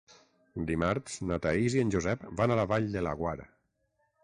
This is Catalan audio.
Dimarts na Thaís i en Josep van a la Vall de Laguar.